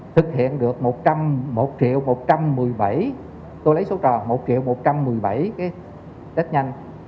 thực hiện được một trăm linh một triệu một trăm một mươi bảy tôi lấy số trò một triệu một trăm một mươi bảy cái test nhanh